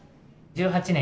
１８年